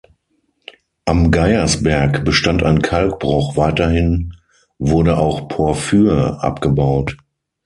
Am Geiersberg bestand ein Kalkbruch, weiterhin wurde auch Porphyr abgebaut.